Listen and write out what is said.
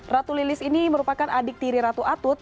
ratu lilis ini merupakan adik tiri ratu atut